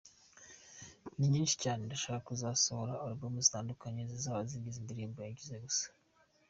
Ni nyinshi cyane, ndashaka kuzasohora album zitandukanye zizaba zigizwe n’indirimbo yasize gusa.